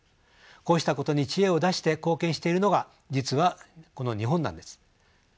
こうしたことに知恵を出して貢献しているのが実はこの日本なんです。